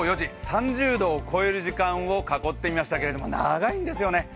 ３０度を超える時間を囲ってみましたけど長いんですよね。